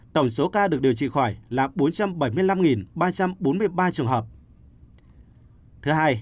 tổng số ca được điều trị khỏi là bốn